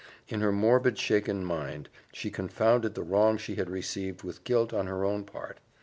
In her morbid, shaken mind she confounded the wrong she had received with guilt on her own part.